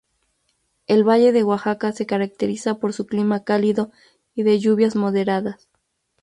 El valle de Oaxaca se caracteriza por su clima cálido y de lluvias moderadas.